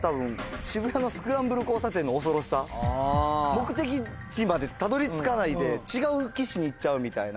目的地までたどり着かないで違う岸に行っちゃうみたいな。